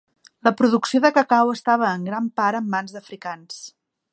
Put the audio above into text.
La producció de cacau estava en gran part en mans d'africans.